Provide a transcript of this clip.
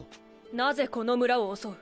なぜこの村を襲う？